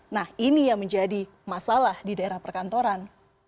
nah ini yang menjadi masalah di daerah perkantoran